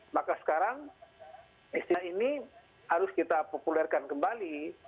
maka sekarang istilah ini harus kita populerkan kembali